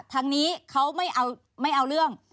ทางนี้เขาไม่เอาเรื่อง